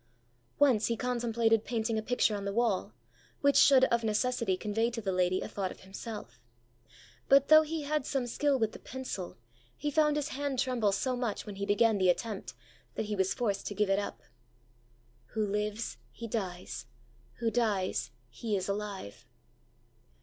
ã Once he contemplated painting a picture on the wall, which should, of necessity, convey to the lady a thought of himself; but, though he had some skill with the pencil, he found his hand tremble so much when he began the attempt, that he was forced to give it up. ..... ãWho lives, he dies; who dies, he is alive.